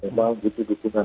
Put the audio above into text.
memang itu diperlukan